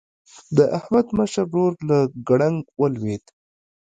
د احمد مشر ورور له ګړنګ ولوېد.